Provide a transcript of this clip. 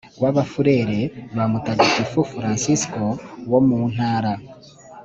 w Abafurere ba Mutagatifu Fransisko wo mu Ntara